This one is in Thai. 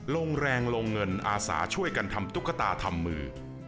ลงแรงลงเงินอาสาช่วยกันทำตุ๊กตาทำมือ